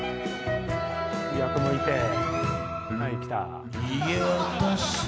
横向いてはいきた！